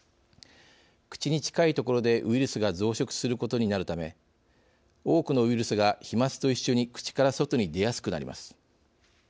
口に近い所で、ウイルスが増殖することになるため多くのウイルスが飛まつと一緒に口から外に出やすくなります。